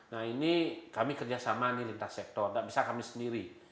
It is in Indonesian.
nah ini kami kerjasama ini lintas sektor gak bisa kami sendiri